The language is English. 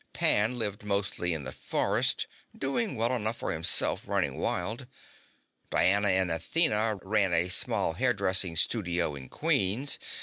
Pan lived mostly in the forests, doing well enough for himself running wild. Diana and Athena ran a small hairdressing studio in Queens.